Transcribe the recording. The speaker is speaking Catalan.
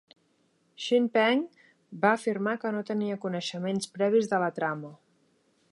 Chin Peng va afirmar que no tenia coneixements previs de la trama.